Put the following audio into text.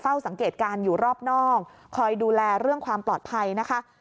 สังเกตการณ์อยู่รอบนอกคอยดูแลเรื่องความปลอดภัยนะคะ